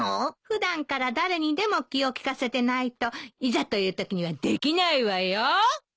普段から誰にでも気を利かせてないといざというときにはできないわよ！